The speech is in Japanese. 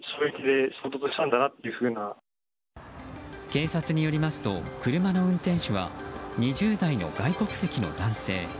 警察によりますと車の運転手は２０代の外国籍の男性。